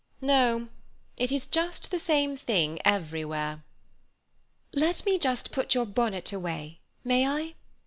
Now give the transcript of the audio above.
No—it is just the same thing everywhere." "Let me just put your bonnet away, may I?"